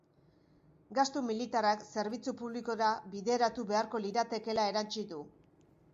Gastu militarrak zerbitzu publikora bideratu beharko liratekeela erantsi du.